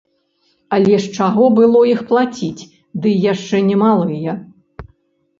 Але з чаго было іх плаціць, дый яшчэ немалыя?